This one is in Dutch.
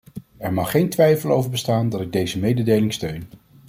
Er mag geen twijfel over bestaan dat ik deze mededeling steun.